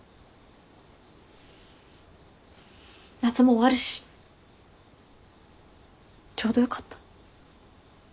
夏も終わるしちょうどよかった。